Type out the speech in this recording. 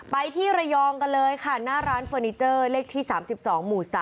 ไปที่ระยองกันเลยค่ะหน้าร้านเฟอร์นิเจอร์เลขที่๓๒หมู่๓